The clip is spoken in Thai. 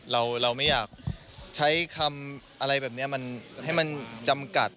เราไม่อยากใช้คำอะไรแบบนี้มันให้มันจำกัด